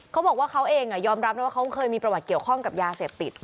เขาบอกว่าเขาเองยอมรับนะว่าเขาเคยมีประวัติเกี่ยวข้องกับยาเสพติด